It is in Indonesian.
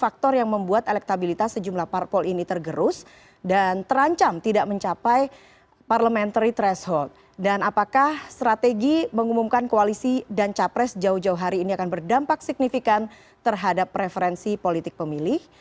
apakah strategi mengumumkan koalisi dan capres jauh jauh hari ini akan berdampak signifikan terhadap preferensi politik pemilih